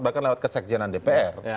bahkan lewat kesekjianan dpr